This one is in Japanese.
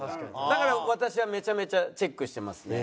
だから私はめちゃめちゃチェックしてますね。